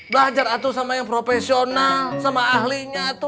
belajar atuh sama yang profesional sama ahlinya